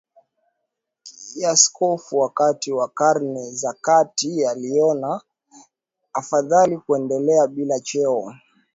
kiaskofu wakati wa karne za kati yaliona afadhali kuendelea bila cheo